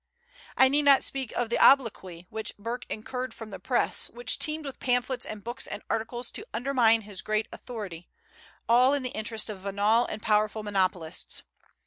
I need not speak of the obloquy which Burke incurred from the press, which teemed with pamphlets and books and articles to undermine his great authority, all in the interests of venal and powerful monopolists.